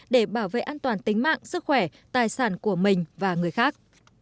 để bảo vệ an toàn tính mạng sức khỏe tài sản của mình và người khác